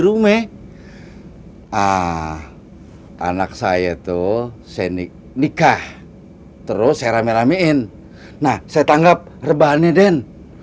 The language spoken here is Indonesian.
rumah ah anak saya tuh seni nikah terus saya rame ramein nah saya tanggap rebahannya den